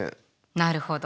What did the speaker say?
なるほど。